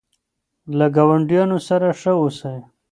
له ګاونډیانو سره ښه اوسئ.